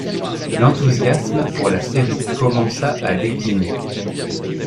L'enthousiasme pour la série commença à décliner.